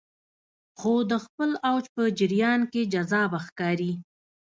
خو د خپل اوج په جریان کې جذابه ښکاري